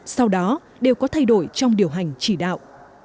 sau đó đều có thay đổi trong điều hành chỉ đạo